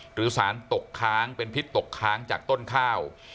หรือสารตกค้างเป็นพิษตกค้างจากต้นข้าว